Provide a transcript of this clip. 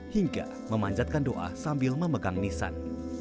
hingga memanjatkan doa sambil memegang nisan